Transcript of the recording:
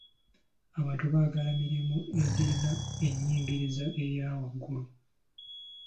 Abantu baagala mirimu egirina ennyingiza eya wagulu .